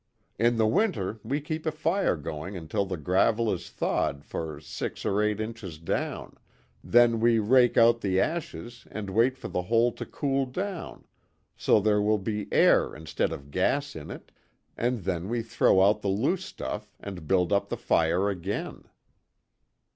In the winter we keep a fire going until the gravel is thawed for six or eight inches down, then we rake out the ashes and wait for the hole to cool down so there will be air instead of gas in it, and then we throw out the loose stuff and build up the fire again."